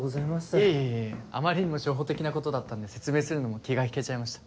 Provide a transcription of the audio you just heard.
いえいえあまりにも初歩的なことだったんで説明するのも気が引けちゃいました。